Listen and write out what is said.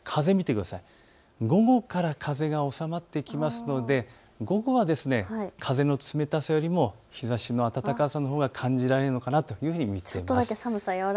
午後から風が収まってきますので午後は風の冷たさよりも日ざしの暖かさが感じられるのかなと思います。